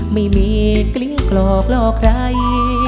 ไม่มีกลิ้งกรอกหลอกใคร